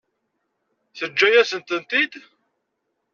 Teǧǧa-yasen-tent-id?